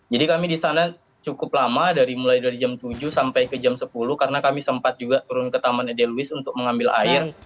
jadi kami di sana cukup lama dari mulai dari jam tujuh sampai ke jam sepuluh karena kami sempat juga turun ke taman edelwies untuk mengambil air